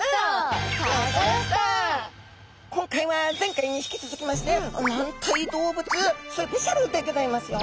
今回は前回に引き続きまして軟体動物スペシャルでギョざいますよ！